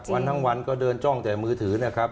ทั้งวันก็เดินจ้องแต่มือถือนะครับ